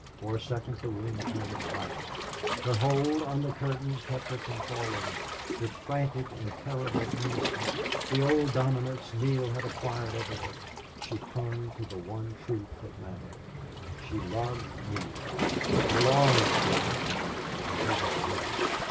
For a second the room turned black. Her hold on the curtains kept her from falling. With frantic and terrible earnestness the old dominance Neale had acquired over her she clung to the one truth that mattered. She loved Neale belonged to him and he was there!